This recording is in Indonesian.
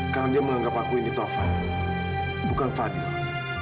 karena dia menganggap aku ini taufan bukan fadil